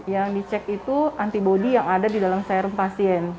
yang dicek itu antibody yang ada di dalam serum pasien